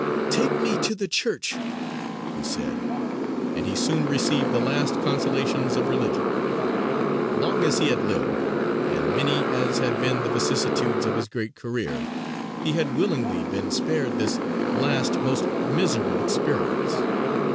"Take me to the church," he said; and he soon received the last consolations of religion. Long as he had lived, and many as had been the vicissitudes of his great career, he had willingly been spared this last most miserable experience.